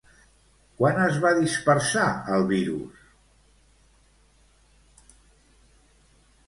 Quan es va dispersar el virus?